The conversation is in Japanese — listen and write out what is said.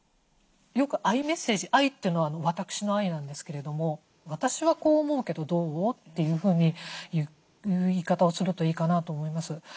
よくＩメッセージＩというのは私のＩなんですけれども「私はこう思うけどどう？」というふうに言う言い方をするといいかなと思います。